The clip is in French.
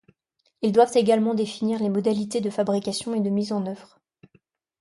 Ils doivent également définir les modalités de fabrication et de mise en œuvre.